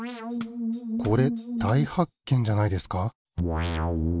これ大発見じゃないですか？